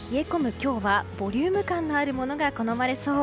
今日はボリューム感のあるものが好まれそう。